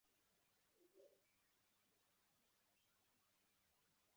Umuhungu wumuyabaga wambaye umukara wose agerageza kugaragara nkimitako ihendutse